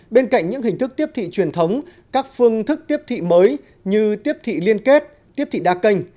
bên cạnh những hình thức tiếp thị truyền thống các phương thức tiếp thị mới như tiếp thị liên kết tiếp thị đa kênh